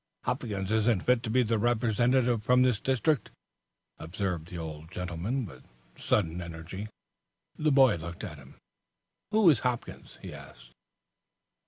"Hopkins isn't fit to be the Representative for this district," observed the old gentleman, with sudden energy. The boy looked at him. "Who is Hopkins?" he asked.